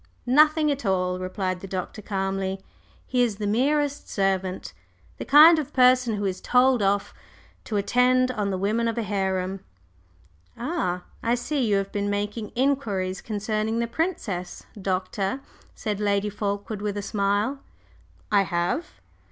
"Nothing at all," replied the Doctor, calmly. "He is the merest servant the kind of person who is 'told off' to attend on the women of a harem." "Ah, I see you have been making inquiries concerning the princess, Doctor," said Lady Fulkeward, with a smile. "I have."